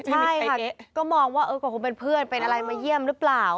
ใช่ค่ะก็มองว่าก็คงเป็นเพื่อนเป็นอะไรมาเยี่ยมหรือเปล่า